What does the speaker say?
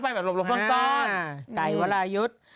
ใกล้วัลายุทธ์